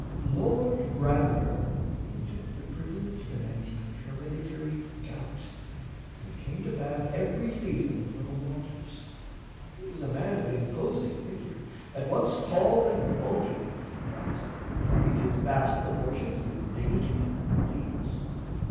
Lord Bramber enjoyed the privilege of an antique hereditary gout, and came to Bath every season for the waters. He was a man of imposing figure, at once tall and bulky, but he carried his vast proportions with dignity and ease.